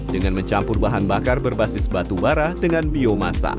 dengan mencampur bahan bakar berbasis batu bara dengan biomasa